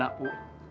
doakan saja bu hasan